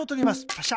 パシャ。